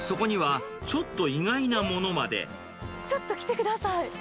ちょっと来てください。